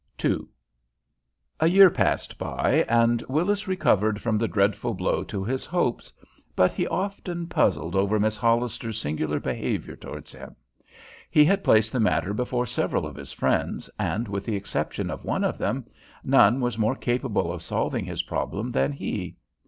II A year passed by, and Willis recovered from the dreadful blow to his hopes, but he often puzzled over Miss Hollister's singular behavior towards him. He had placed the matter before several of his friends, and, with the exception of one of them, none was more capable of solving his problem than he.